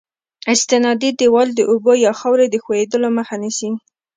استنادي دیوال د اوبو یا خاورې د ښوېدلو مخه نیسي